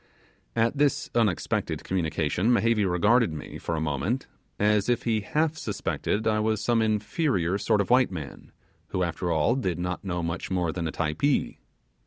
At this unexpected communication Mehevi regarded me, for a moment, as if he half suspected I was some inferior sort of white man, who after all did not know much more than a Typee.